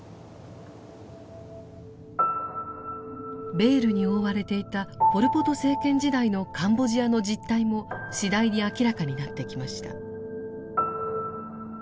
ベールに覆われていたポル・ポト政権時代のカンボジアの実態も次第に明らかになってきました。